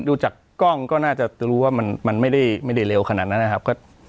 ดูจากกล้องก็น่าจะรู้ว่ามันไม่ได้เร็วขนาดนั้นนะครับ